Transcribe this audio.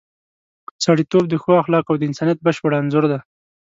سړیتوب د ښو اخلاقو او د انسانیت بشپړ انځور دی.